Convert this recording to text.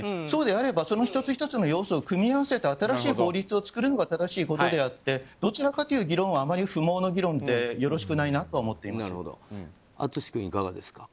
そうであれば、その１つ１つの要素を組み合わせて新しい法律を作るのが正しいことであってどちらかという議論は不毛でよろしくないなとは思っています。